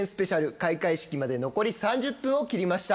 開会式まで残り３０分を切りました。